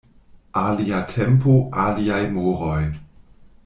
Alia tempo, aliaj moroj.